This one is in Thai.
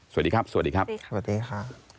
สวัสดีครับสวัสดีครับสวัสดีค่ะ